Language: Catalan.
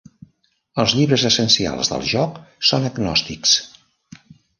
Els llibres essencials del joc són agnòstics.